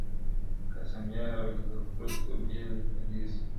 o قاسم یار له زر پرستو بېل په دې سو,